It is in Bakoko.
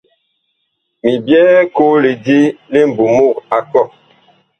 Mi byɛɛ koo lidi li mbumug a kɔh.